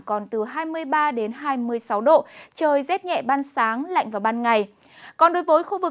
còn từ hà tĩnh đến thừa thiên huế vẫn thấp chỉ từ một mươi sáu hai mươi một độ